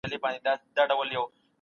د شخصیتونو په اړه قضاوت مه کوئ.